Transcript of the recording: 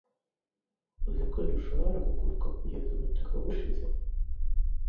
Uzi ko dushobora kuguruka kugeza ubutaka bushize